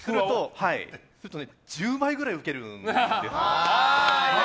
すると、１０倍ぐらいウケるんですよね。